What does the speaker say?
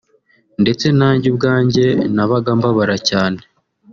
ndetse nanjye ubwanjye nabaga mbabara cyane